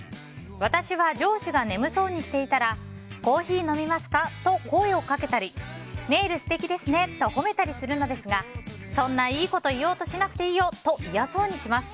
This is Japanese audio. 私は上司が眠そうにしていたらコーヒー飲みますか？と声をかけたりネイル素敵ですねと褒めたりするのですがそんないいこと言おうとしなくていいよと嫌そうにします。